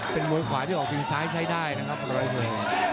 คุณหมวยควายที่เป็นซ้ายใช้ได้นะครับปลอยเซอร์